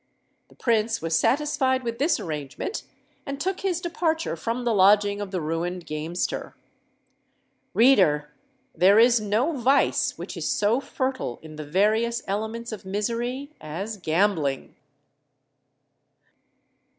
The Prince was satisfied with this arrangement, and took his departure from the lodging of the ruined gamester. Reader! there is no vice which is so fertile in the various elements of misery as Gambling!